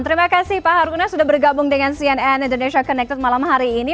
terima kasih pak haruna sudah bergabung dengan cnn indonesia connected malam hari ini